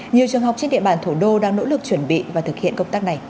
nhiều trường học trên địa bàn thủ đô đang nỗ lực chuẩn bị và thực hiện công tác này